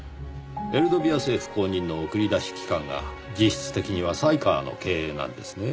エルドビア政府公認の送り出し機関が実質的には犀川の経営なんですね。